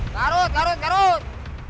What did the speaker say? garut garut garut